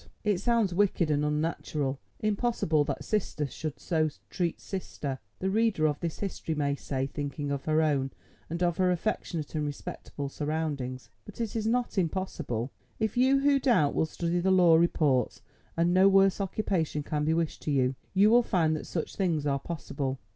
It sounds wicked and unnatural. "Impossible that sister should so treat sister," the reader of this history may say, thinking of her own, and of her affectionate and respectable surroundings. But it is not impossible. If you, who doubt, will study the law reports, and no worse occupation can be wished to you, you will find that such things are possible.